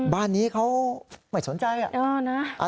บ้านนี้เขาไม่สนใจอ่ะ